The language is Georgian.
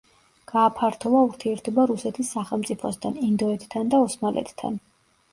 გააფართოვა ურთიერთობა რუსეთის სახელმწიფოსთან, ინდოეთთან და ოსმალეთთან.